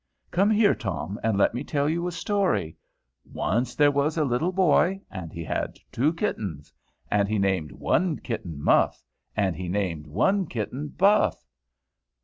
"Come here, Tom, and let me tell you a story! Once there was a little boy, and he had two kittens. And he named one kitten Muff, and he named one kitten Buff!"